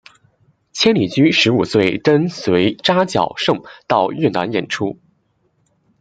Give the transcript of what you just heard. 千里驹十五岁跟随扎脚胜到越南演出。